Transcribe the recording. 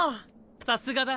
さすがだ。